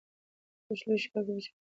لوښي پاک او وچ وساتئ.